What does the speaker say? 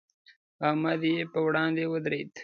احمد یې پر وړاندې ودرېد.